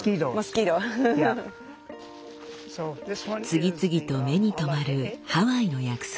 次々と目に留まるハワイの薬草。